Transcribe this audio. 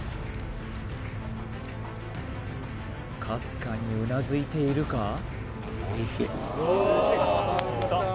かすかにうなずいているか？